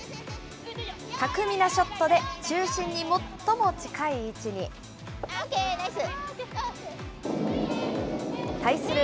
巧みなショットで、中心に最も近い位置に。対する